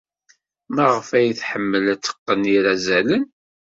Maɣef ay tḥemmel ad teqqen irazalen?